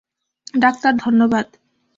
Doctor, ধন্যবাদ।